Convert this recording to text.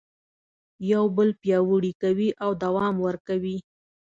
یو بل پیاوړي کوي او دوام ورکوي.